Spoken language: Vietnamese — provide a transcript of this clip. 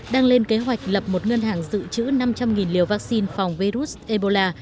đang lên kế hoạch lập một ngân hàng dự trữ năm trăm linh liều vaccine phòng virus ebola